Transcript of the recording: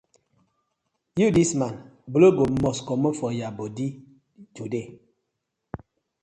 Yu dis man, blood go must komot for yah bodi today.